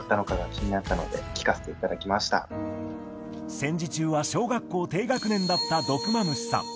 戦時中は小学校低学年だった毒蝮さん。